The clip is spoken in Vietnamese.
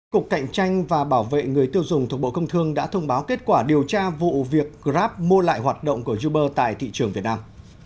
cục cạnh tranh và bảo vệ người tiêu dùng thuộc bộ công thương đã thông báo kết quả điều tra vụ việc grab mua lại hoạt động của uber tại thị trường việt nam